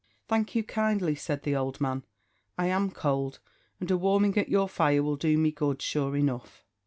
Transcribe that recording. "Thank you kindly," said the old man; "I am cold, and a warming at your fire will do me good, sure enough.